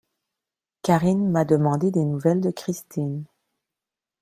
Karine m’a demandé des nouvelles de Christine.